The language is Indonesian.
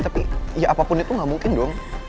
tapi ya apapun itu gak mungkin dong